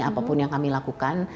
apapun yang kami lakukan